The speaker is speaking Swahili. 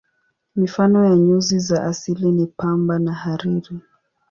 Mifano ya nyuzi za asili ni pamba na hariri.